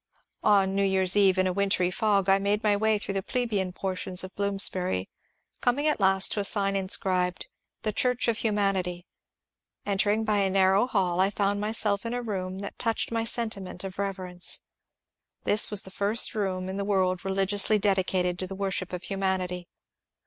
On New Year's eve, in a wintry fog, I made my way through the plebeian portions of Bloomsbury, coming at last to a sign inscribed, " The Church of Humanity." Entering by a nar row hall I found myself in a room that touched my sentiment of reverence. This was the first room in the world religiously dedicated to the worship of Humanity.